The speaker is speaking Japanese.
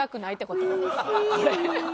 これ。